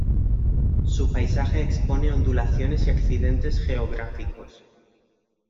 Su paisaje expone ondulaciones y accidentes geográficos.